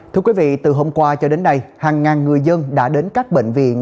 thưa quý vị từ hôm qua cho đến nay hàng ngàn người dân đã đến các bệnh viện